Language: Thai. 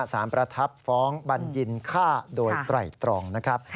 สามประทับฟ้องบันยินฆ่าโดยไตร่ตรอง